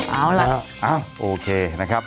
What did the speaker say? เอาล่ะโอเคนะครับ